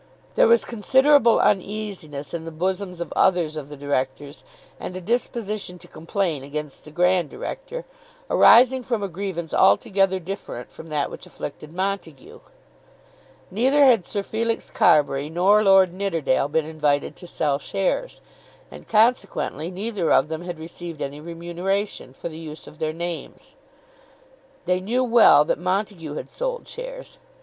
There was considerable uneasiness in the bosoms of others of the Directors, and a disposition to complain against the Grand Director, arising from a grievance altogether different from that which afflicted Montague. Neither had Sir Felix Carbury nor Lord Nidderdale been invited to sell shares, and consequently neither of them had received any remuneration for the use of their names. They knew well that Montague had sold shares.